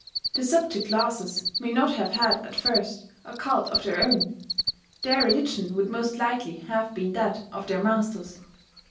The subject classes may not have had at first a cult of their own: their religion would most likely have been that of their masters.